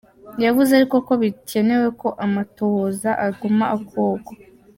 Yavuze ariko ko bikenewe ko amatohoza aguma akogwa.